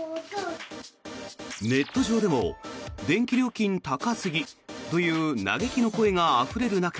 ネット上でも電気料金高すぎという嘆きの声があふれる中